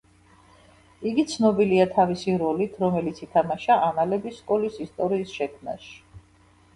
იგი ცნობილია თავისი როლით, რომელიც ითამაშა ანალების სკოლის ისტორიის შექმნაში.